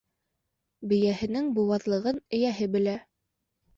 Бейәһенең быуаҙлығын эйәһе белә.